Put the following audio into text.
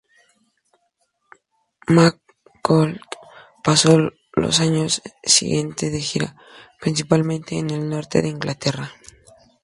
MacColl pasó los años siguientes de gira, principalmente en el norte de Inglaterra.